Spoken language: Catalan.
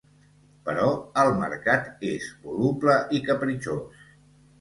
Però el mercat és voluble i capritxós.